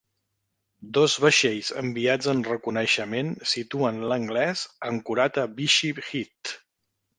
Dos vaixells enviats en reconeixement situen l'anglès ancorat a Beachy Head.